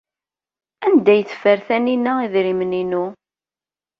Anda ay teffer Taninna idrimen-inu?